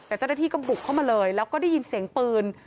แต่เจ้าหน้าที่ก็บุกเข้ามาเลยแล้วก็ได้ยินเสียงปืน